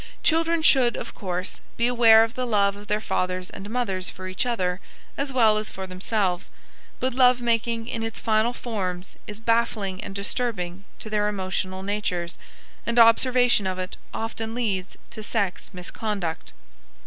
Children should, of course, be aware of the love of their fathers and mothers for each other as well as for themselves, but love making in its final forms is baffling and disturbing to their emotional natures, and observation of it often leads to sex misconduct.